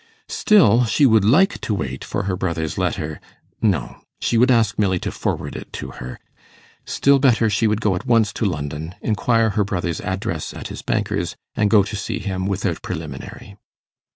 Still, she would like to wait for her brother's letter no she would ask Milly to forward it to her still better, she would go at once to London, inquire her brother's address at his banker's, and go to see him without preliminary.